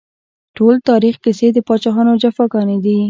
ټول تاريخ کيسې د پاچاهانو جفاګانې دي